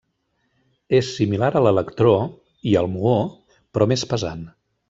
És similar a l'electró, i al muó, però més pesant.